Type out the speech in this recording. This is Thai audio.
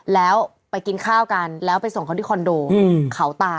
แล้วไปกินข้าวกันแล้วไปส่งเขาที่คอนโดเขาตา